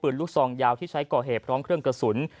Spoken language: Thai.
ลูกซองยาวที่ใช้ก่อเหตุพร้อมเครื่องกระสุน